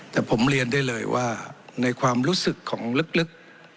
แต่ผมเรียนได้เลยว่าในความรู้สึกของลึก